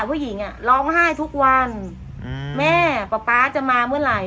ผู้หญิงอ่ะร้องไห้ทุกวันอืมแม่ป๊าป๊าจะมาเมื่อไหร่